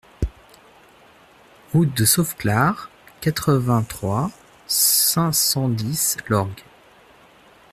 Route de Sauveclare, quatre-vingt-trois, cinq cent dix Lorgues